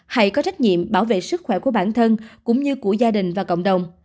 hãy có trách nhiệm bảo vệ sức khỏe của bản thân cũng như của gia đình và cộng đồng